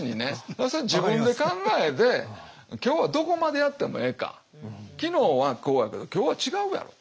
要するに自分の考えで今日はどこまでやってもええか昨日はこうやけど今日は違うやろて。